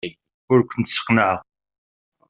Ur kent-sseqnaɛeɣ.